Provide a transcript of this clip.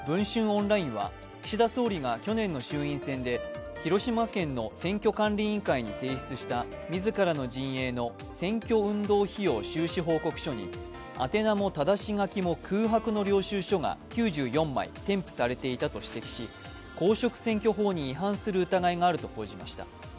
オンラインは岸田総理が去年の衆院選で広島県の選挙管理委員会に提出した自らの陣営の選挙運動費用収支報告書に宛名もただし書きも空白の領収書が９４枚添付されていたと指摘し公職選挙法に違反する疑いがあると報じました。